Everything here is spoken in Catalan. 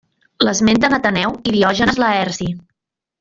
L'esmenten Ateneu i Diògenes Laerci.